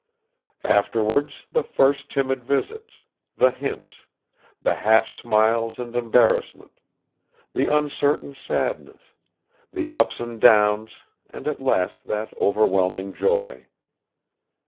Afterwards the first timid visits, the hints, the half smiles and embarrassment; the uncertain sadness, the ups and downs and at last that overwhelming joy